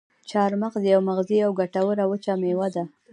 چارمغز یوه مغذي او ګټوره وچه میوه ده.